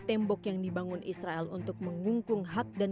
pertama menteri terkejar untuk mengisi anggaran